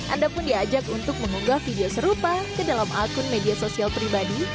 anda pun diajak untuk mengunggah video serupa ke dalam akun media sosial pribadi